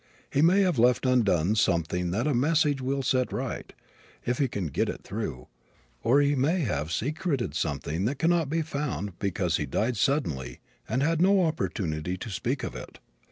He may have left undone something that a message will set right, if he can get it through, or he may have secreted something that cannot be found because he died suddenly and had no opportunity to speak of it.